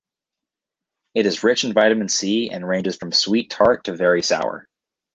It is rich in Vitamin C and ranges from sweet-tart to very sour.